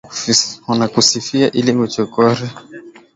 wanakusifia ili kukochora tu au kutaka wapate kitu kutoka kwako Leo hii na